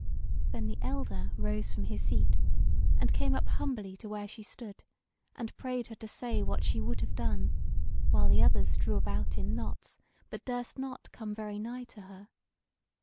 Then the elder rose from his seat, and came up humbly to where she stood, and prayed her to say what she would have done; while the others drew about in knots, but durst not come very nigh to her.